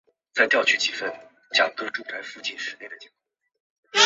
麓川思氏的势力范围。